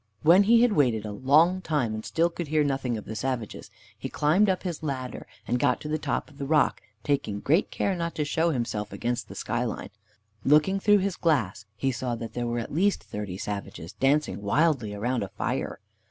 When he had waited a long time and still could hear nothing of the savages, he climbed up his ladder and got to the top of the rock, taking great care not to show himself against the skyline. Looking through his glass, he saw that there were at least thirty savages, dancing wildly round a fire.